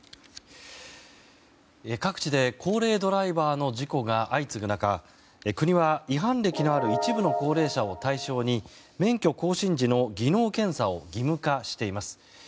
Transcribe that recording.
各地で高齢ドライバーの事故が相次ぐ中国は、違反歴のある一部の高齢者を対象に免許更新時の技能検査を義務化しています。